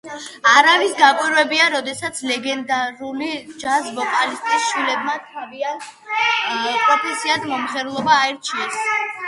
არავის გაკვირვებია როდესაც ლეგენდარული ჯაზ ვოკალისტის შვილებმა თავიანთ პროფესიად მომღერლობა აირჩიეს.